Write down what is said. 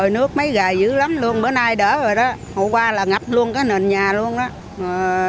nước mấy gà giữ lắm luôn bữa nay đỡ rồi đó hậu qua là ngập luôn cái nền nhà luôn đó